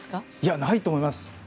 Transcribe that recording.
ないと思います。